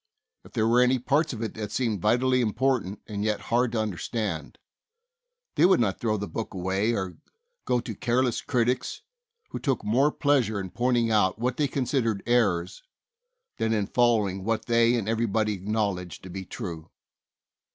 If there were any parts of it that seemed vitally important and yet hard to understand, they would not throw the book away or go to careless critics who took more pleasure in pointing out what they considered errors than in following what they and everybody acknowledged to be true.